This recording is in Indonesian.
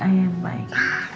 ayah yang baik